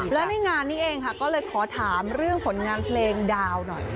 และในงานนี้เองค่ะก็เลยขอถามเรื่องผลงานเพลงดาวหน่อย